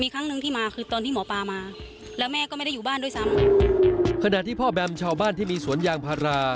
ขณะที่พ่อแบมชาวบ้านที่มีสวนยางพรา